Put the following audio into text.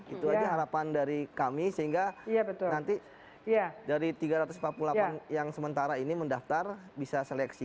itu aja harapan dari kami sehingga nanti dari tiga ratus empat puluh delapan yang sementara ini mendaftar bisa seleksi